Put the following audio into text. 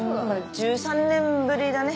１３年ぶりだね。